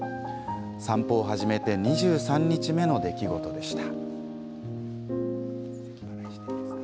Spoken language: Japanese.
散歩を始めて２３日目の出来事でした。